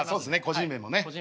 個人名もね。